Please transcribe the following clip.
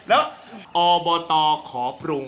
แล้วอบตขอปรุง